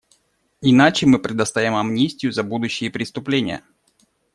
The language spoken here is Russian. Иначе мы предоставим амнистию за будущие преступления.